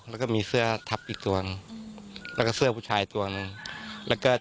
แล้วก็มีเสื้อทับอีกตัวแล้วก็เสื้อผู้ชายตัวนึง